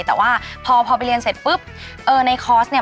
แต่ว่าพอพอไปเรียนเสร็จปุ๊บเออในคอร์สเนี่ย